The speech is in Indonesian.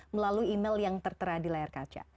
melalui email yang tertera di layar kaca